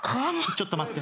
ちょっと待って。